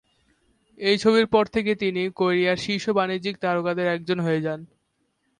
এই ছবির পর থেকে তিনি কোরিয়ার শীর্ষ বাণিজ্যিক তারকাদের একজন হয়ে যান।